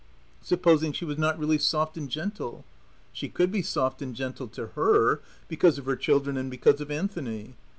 Supposing she was not really soft and gentle? She could be soft and gentle to her, because of her children and because of Anthony.